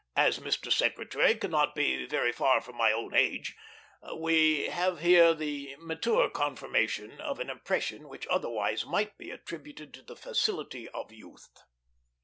As Mr. Secretary cannot be very far from my own age, we have here the mature confirmation of an impression which otherwise might be attributed to the facility of youth.